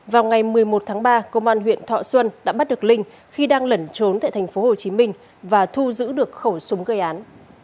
vào ngày một mươi một tháng ba công an huyện thọ xuân đã bắt được linh khi đang lẩn trốn tại thành phố hồ chí minh và thu giữ được khẩu súng gây án